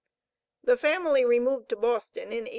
The family removed to Boston in 1804.